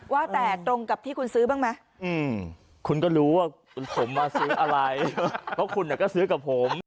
ว่าแต่ตรงกับที่คุณซื้อบ้างไหมคุณก็รู้ว่าผมมาซื้ออะไรเพราะคุณก็ซื้อกับผม